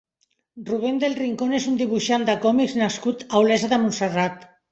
Rubén del Rincón és un dibuixant de còmics nascut a Olesa de Montserrat.